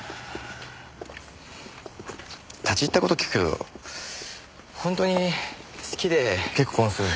立ち入った事聞くけど本当に好きで結婚するの？